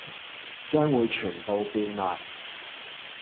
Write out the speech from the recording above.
將會全部變賣